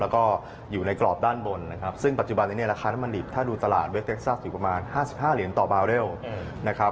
แล้วก็อยู่ในกรอบด้านบนนะครับซึ่งปัจจุบันนี้เนี่ยราคาน้ำมันดิบถ้าดูตลาดเวสเต็กซัสอยู่ประมาณ๕๕เหรียญต่อบาร์เรลนะครับ